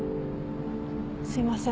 すいません。